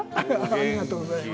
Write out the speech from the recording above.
ありがとうございます。